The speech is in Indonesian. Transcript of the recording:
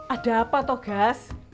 ada apa toh gas